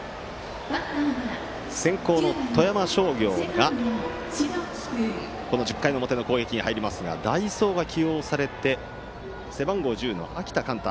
先攻の富山商業が１０回の表の攻撃に入りますが代走が起用されて背番号１０の秋田幹太。